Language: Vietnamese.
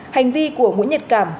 hành vi của nguyễn nhật cảm